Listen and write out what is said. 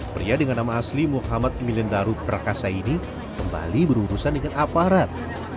pria dengan nama asli muhammad milendaru prakasa ini kembali berurusan dengan aparat